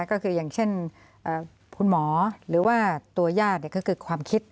ก็คืออย่างเช่นคุณหมอหรือว่าตัวญาติก็คือความคิด